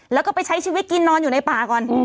แล้วก็ไปใช้ชีวิตกินนอนอยู่ในป่าก่อน